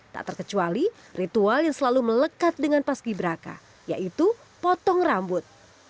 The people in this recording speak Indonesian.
tak terkecuali ritual yang selalu melekat dengan paski beraka yaitu potong rambut